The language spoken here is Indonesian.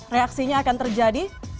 reaksinya akan terjadi